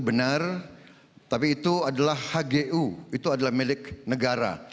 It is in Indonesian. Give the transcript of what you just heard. benar tapi itu adalah hgu itu adalah milik negara